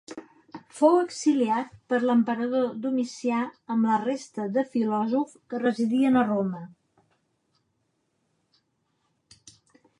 Fou exiliat per l'emperador Domicià amb la resta de filòsofs que residien a Roma.